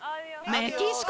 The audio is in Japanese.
メキシコ？